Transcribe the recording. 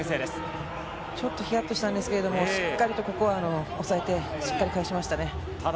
ちょっとヒヤっとしたんですけど、しっかり抑えて返しましたね。